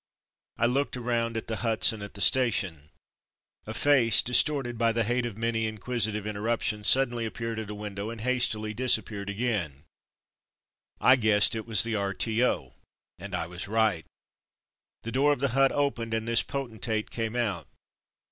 I looked around at the huts and the station. A face, distorted by the hate of many inquisitive interruptions, suddenly ap peared at a window and hastily disappeared 112 From Mud to Mufti again. I guessed it was the R.T.O., and I was right. The door of the hut opened and this potentate came out.